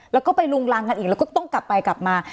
แล้วก็ไปลุงรังกันอีกแล้วก็ต้องกลับไปกลับมา